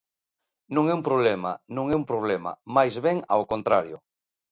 Non é un problema, non é un problema, máis ben ao contrario.